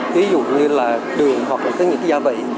ví dụ như là đường hoặc là những cái gia vị